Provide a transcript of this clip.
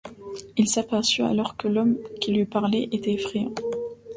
Il s’aperçut alors que l’homme qui lui parlait était effrayant.